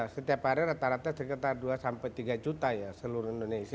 setiap hari rata rata sekitar dua sampai tiga juta ya seluruh indonesia